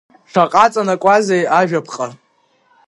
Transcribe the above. Шаҟа аҵанакуазеи ажәаԥҟа…